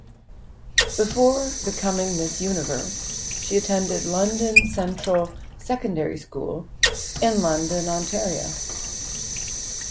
Before becoming Miss Universe, she attended London Central Secondary School in London, Ontario.